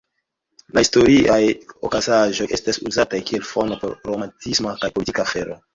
La historiaj okazaĵoj estas uzataj kiel fono por romantisma kaj politika afero.